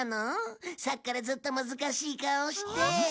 さっきからずっと難しい顔をして。